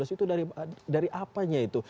dua ribu tujuh belas itu dari apanya itu